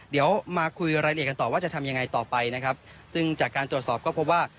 เดี๋ยวมาคุยรายละเอียดกันต่อว่าจะทำยังไงต่อไปนะครับซึ่งจากการตรวจสอบก็พบว่า